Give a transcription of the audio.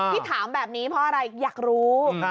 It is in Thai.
ที่ถามแบบนี้เพราะอะไรอยากรู้